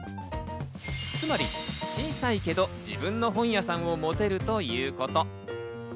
つまり小さいけど自分の本屋さんを持てるということ。